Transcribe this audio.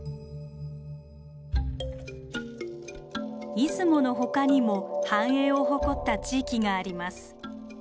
出雲の他にも繁栄を誇った地域があります。